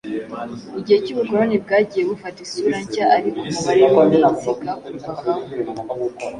Mu gihe cy'ubukoloni bwagiye bufata isura nshya ari ku mubare w'iminsi bwakorwagaho,